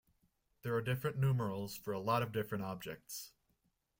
There are different numerals for a lot of different objects.